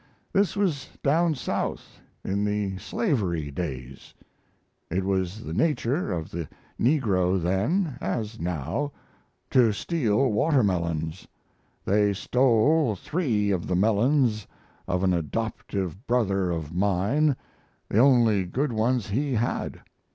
This was down South, in the slavery days. It was the nature of the negro then, as now, to steal watermelons. They stole three of the melons of an adoptive brother of mine, the only good ones he had.